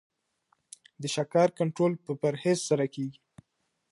د شکر کنټرول په پرهیز سره کیږي.